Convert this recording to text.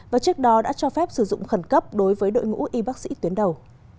và trước đó đã cho phép sử dụng khẩn cấp đối với đội ngũ y bác sĩ tuyến đầu